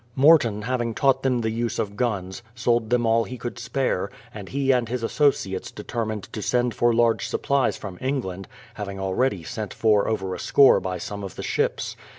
Morton having taught them the use of guns, sold them all he could spare, and he and his associates determined to send for large supplies from England, having already sent for over a score by some of the ships.